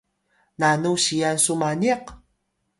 nanu siyan su maniq?